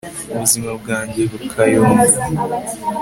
ubuzima bwanjye bukayonga